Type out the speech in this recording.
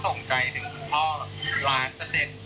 ส่งใจถึงคุณพ่อ๑๐๐๐๐๐